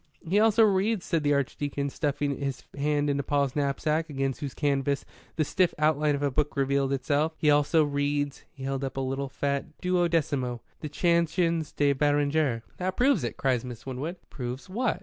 "He also reads," said the Archdeacon, stuffing his hand into Paul's knapsack, against whose canvas the stiff outline of a book revealed itself "he also reads" he held up a little fat duodecimo "the Chansons de Beranger." "That proves it," cried Miss Winwood. "Proves what?"